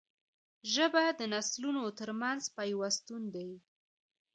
ژبه د نسلونو ترمنځ پیوستون دی